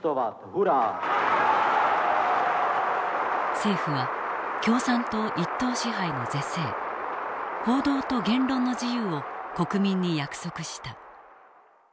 政府は共産党一党支配の是正報道と言論の自由を国民に約束した。